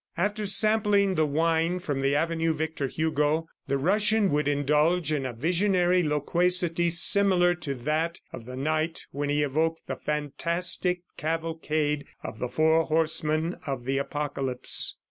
After sampling the wine from the avenue Victor Hugo, the Russian would indulge in a visionary loquacity similar to that of the night when he evoked the fantastic cavalcade of the four horsemen of the Apocalypse.